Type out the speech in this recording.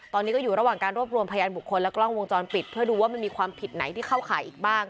ตอนนี้ก็อยู่ระหว่างการรวบรวมพยานบุคคลและกล้องวงจรปิดเพื่อดูว่ามันมีความผิดไหนที่เข้าข่ายอีกบ้าง